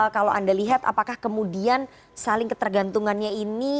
kalau anda lihat apakah kemudian saling ketergantungannya ini